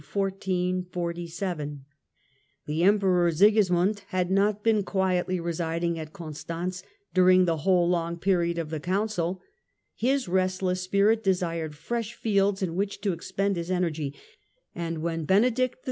Journeys ^^^^ Emperor Sigismund had not been quietly residing of Sigis at Constance during the whole long period of the Council. iiiund ...„. His restless spirit desired fresh fields m which to expend his energy, and when Benedict XIII.